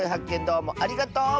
どうもありがとう！